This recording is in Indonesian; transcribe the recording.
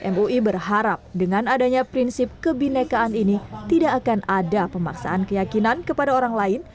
mui berharap dengan adanya prinsip kebinekaan ini tidak akan ada pemaksaan keyakinan kepada orang lain